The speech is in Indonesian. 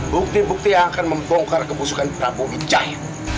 bukti bukti yang akan membongkar kebusukan prabu wijaya